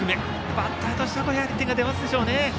バッターとしては手が出るでしょうね。